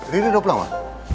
riri udah pulang ma